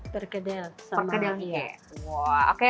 perkedel sama ike